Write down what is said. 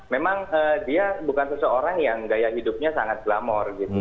memang dia bukan seseorang yang gaya hidupnya sangat glamor gitu